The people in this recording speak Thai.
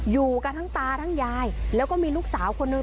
อยู่กันทั้งตาทั้งยายแล้วก็มีลูกสาวคนนึง